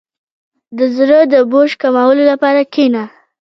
• د زړۀ د بوج کمولو لپاره کښېنه.